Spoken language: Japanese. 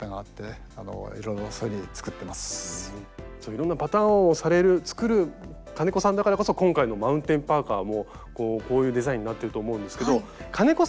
いろんなパターンをされる作る金子さんだからこそ今回のマウンテンパーカーもこういうデザインになってると思うんですけど金子